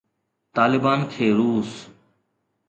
طالبان کي روس